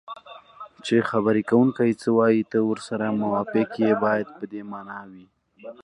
چې خبرې کوونکی څه وایي ته ورسره موافق یې باید په دې مانا وي